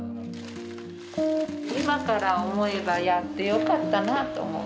今から思えば、やってよかったなと思う。